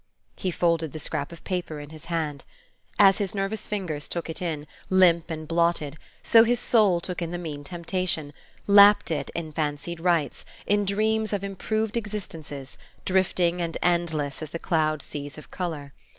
He folded the scrap of paper in his hand. As his nervous fingers took it in, limp and blotted, so his soul took in the mean temptation, lapped it in fancied rights, in dreams of improved existences, drifting and endless as the cloud seas of color.